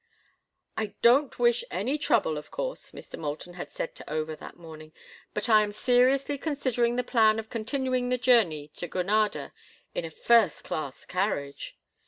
"I don't wish any trouble, of course," Mr. Moulton had said to Over that morning, "but I am seriously considering the plan of continuing the journey to Granada in a first class carriage.